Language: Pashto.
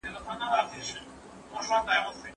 خصوصي سکتور خپل کارونه په ښه توګه پر مخ وړل.